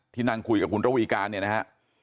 ที่นั่งคุยกับคุณระวีการเนี่ยนะครับ